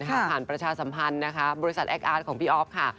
ผ่านประชาสัมพันธ์นะคะบริษัทแอคอาร์ตของพี่อ๊อฟค่ะ